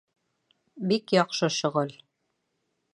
Бик яҡшы шөғөл.